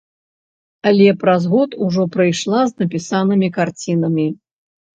Але праз год ужо прыйшла з напісанымі карцінамі.